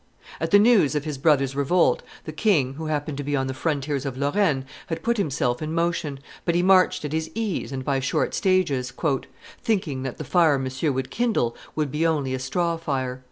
At the news of his brother's revolt, the king, who happened to be on the frontiers of Lorraine, had put himself in motion, but he marched at his ease and by short stages, "thinking that the fire Monsieur would kindle would be only a straw fire."